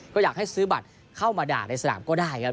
ก็อยากให้ซื้อบัตรเข้ามาด่าในสนามก็ได้ครับ